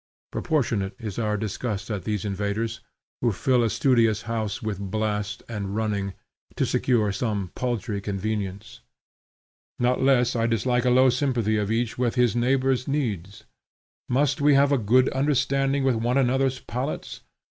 Proportionate is our disgust at those invaders who fill a studious house with blast and running, to secure some paltry convenience. Not less I dislike a low sympathy of each with his neighbor's needs. Must we have a good understanding with one another's palates?